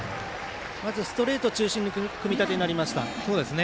まずは、ストレート中心の組み立てになりました。